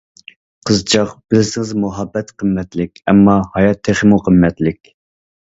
قىزچاق، بىلسىڭىز مۇھەببەت قىممەتلىك، ئەمما ھايات تېخىمۇ قىممەتلىك.